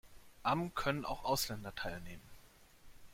Am können auch Ausländer teilnehmen.